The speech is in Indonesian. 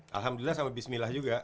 alhamdulillah sama bismillah juga